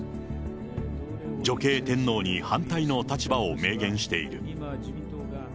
女系天皇に反対の立場を明言している。